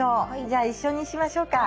じゃあ一緒にしましょうか。